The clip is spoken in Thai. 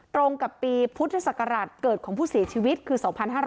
ตรงกับปีพุทธศักราชเกิดของผู้เสียชีวิตคือ๒๕๕๙